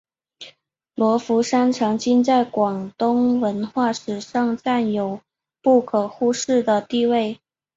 罗浮山曾经在广东文化史上占有不可忽视的地位。